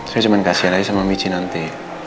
saya cuman kasihan aja sama miji nanti